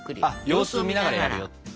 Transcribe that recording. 様子を見ながらやるよ。